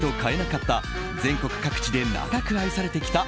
現地に行かないと買えなかった全国各地で長く愛されてきた